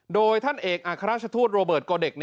โดยท่านเอกอัครราชทูตโรเบิร์ตกอเด็ก